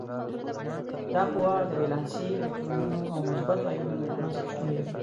دا قوه د ولانسي الکترونونو او مثبتو ایونونو په منځ کې شتون لري.